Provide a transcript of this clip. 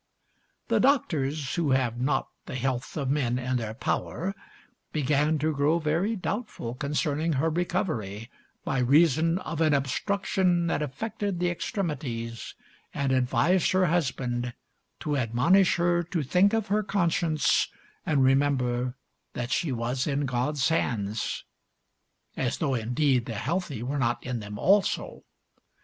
The doctors, who have not the health of men in their power, began to grow very doubtful concerning her recovery, by reason of an obstruction that affected the extremities, and advised her husband to admonish her to think of her conscience and remember that she was in God's hands as though indeed the healthy were not in them also.